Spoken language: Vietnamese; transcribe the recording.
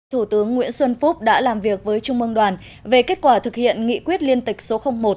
thủ tướng nguyễn xuân phúc đã làm việc với trung mương đoàn về kết quả thực hiện nghị quyết liên tịch số một